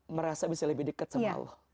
merasa bisa lebih dekat sama allah